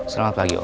selamat pagi om